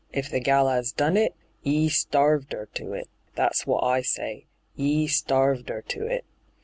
If the gal 'as done it, 'e starved 'er to it : that's wot I say — 'e starved 'er to it.